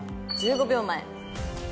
１５秒前。